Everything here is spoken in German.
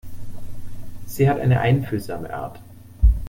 Sie hat eine einfühlsame Art.